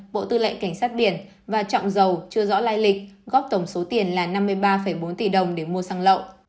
bộ tư lệnh cảnh sát biển và trọng dầu chưa rõ lai lịch góp tổng số tiền là năm mươi ba bốn tỷ đồng để mua xăng lậu